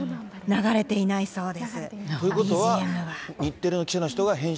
流れていないそうです。